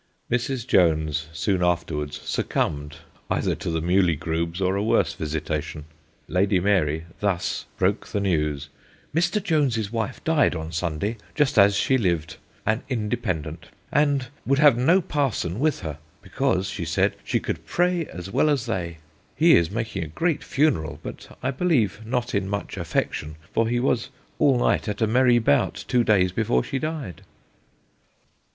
Mrs. Jones soon afterwards succumbed either to the mulygrubes or a worse visitation. Lady Mary thus broke the news: "Mr. Jones's wife dyed on Sunday, just as she lived, an Independent, and wou'd have no parson with her, because she sayd she cou'd pray as well as they. He is making a great funerall, but I believe not in much affection, for he was all night at a merry bout two days before she died."